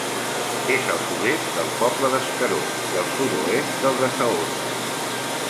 És al sud-est del poble d'Escaró i al sud-oest del de Saorra.